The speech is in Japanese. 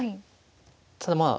ただまあ